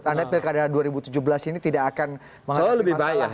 jadi menurut anda p tiga dua ribu tujuh belas ini tidak akan menghadapi masalah